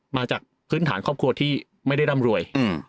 มาจากพื้นฐานครอบครัวที่ไม่ได้ร่ำรวย